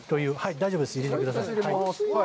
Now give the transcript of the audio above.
大丈夫です、入れてください。